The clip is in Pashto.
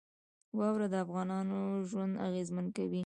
واوره د افغانانو ژوند اغېزمن کوي.